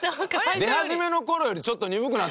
出始めの頃よりちょっと鈍くなってるよな。